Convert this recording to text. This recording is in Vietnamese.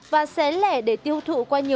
và xé lẻ để tiêu thụ qua